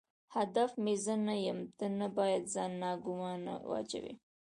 هدف مې زه نه یم، ته نه باید ځان ناګومانه واچوې.